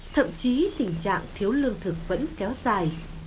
thậm chí tình trạng thiếu lương thực vẫn kéo dài